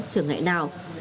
trở ngại nào